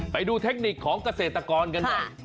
เทคนิคของเกษตรกรกันหน่อย